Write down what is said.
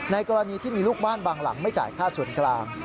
กรณีที่มีลูกบ้านบางหลังไม่จ่ายค่าส่วนกลาง